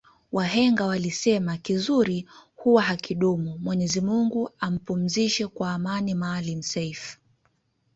Wahenga walisema kizuri huwa hakidumu Mwenyezi Mungu ampumzishe kwa amani maalim self